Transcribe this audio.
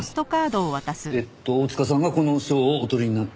えっと大塚さんがこの賞をお取りになって。